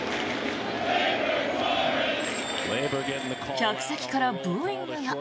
客席からブーイングが。